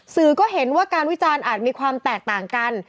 สื่อก็เห็นว่าการวิจารณ์อาจมีความแตกต่างกัน